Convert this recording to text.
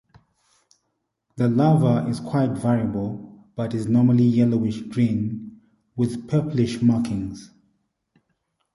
The larva is quite variable but is normally yellowish-green with purplish markings.